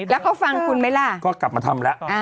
แล้วเขาฟังคุณไหมล่ะก็กลับมาทำแล้ว